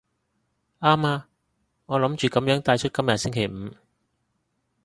啱啊，我諗住噉樣帶出今日係星期五